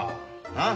なあ。